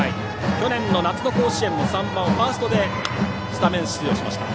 去年の夏の甲子園も３番、ファーストで宮崎はスタメン出場しました。